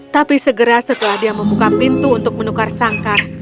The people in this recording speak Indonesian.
tapi segera setelah dia membuka pintu untuk menukar sangkar